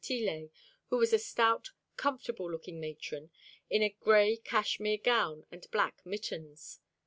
Tillet, who was a stout, comfortable looking matron in a gray cashmere gown and black mittens.